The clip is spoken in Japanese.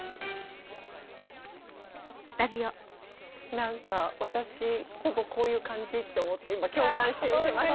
何か私ほぼこういう感じって思って今共感して見てました。